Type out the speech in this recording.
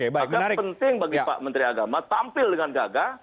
maka penting bagi pak menteri agama tampil dengan gagah